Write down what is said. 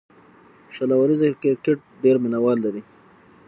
شل اوریز کرکټ ډېر مینه وال لري.